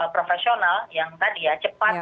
profesional yang tadi ya cepat